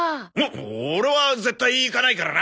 オオレは絶対行かないからな！